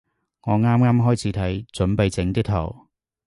我啱啱開始睇，準備整啲圖